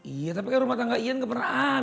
iya tapi rumah tangga ian keperaan